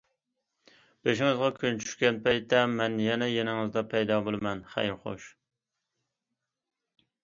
بېشىڭىزغا كۈن چۈشكەن پەيتتە مەن يەنە يېنىڭىزدا پەيدا بولىمەن، خەير خوش!...